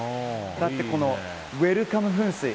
だってこのウェルカム噴水。